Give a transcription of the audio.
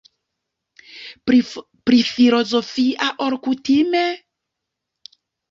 Pli filozofia ol kutime?